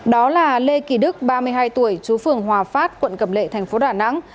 đó là lê kỳ đức ba mươi hai tuổi chú phường hòa phát quận cầm lệ thành phố đà nẵng